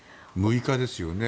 ６日ですよね。